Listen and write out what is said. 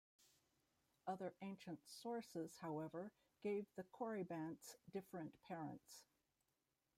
Other ancient sources, however, gave the Corybantes different parents.